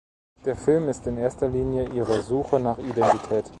Der Film ist in erster Linie ihre Suche nach Identität.